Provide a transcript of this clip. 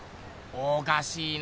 おかしいな。